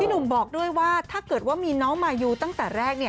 หนุ่มบอกด้วยว่าถ้าเกิดว่ามีน้องมายูตั้งแต่แรก